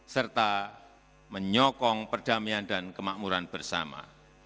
serta menyokong perdamaian dan kemakmuran bersama